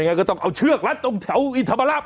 ไม่อย่างไรก็ต้องเอาเชือกรัดตรงแถวอินทบราบ